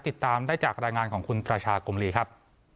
ติดตามได้จากรายงานของคุณประชากมลีครับ